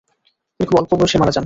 তিনি খুব অল্প বয়সে মারা যান।